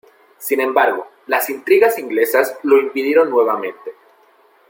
Sin embargo, las intrigas inglesas lo impidieron nuevamente.